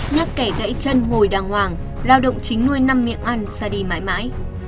nhắc kẻ gãy chân ngồi đàng hoàng lao động chính nuôi năm miệng ăn xa đi mãi mãi